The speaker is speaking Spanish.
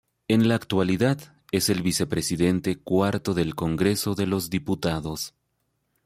En la actualidad, es el Vicepresidente Cuarto del Congreso de los Diputados.